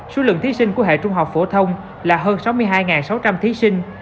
số lượng thí sinh của hệ trung học phổ thông là hơn sáu mươi hai sáu trăm linh thí sinh